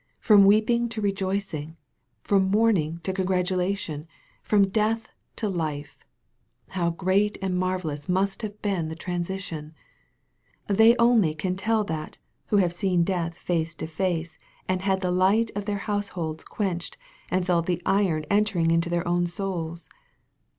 From weeping to rejoicing from mourning to congratulation from death to life how great and marvellous must have been the transition ! They only can tell that, who have seen death face to face, and had the light of their house holds quenched, and felt the iron entering into their own souls.